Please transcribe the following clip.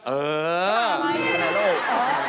เออ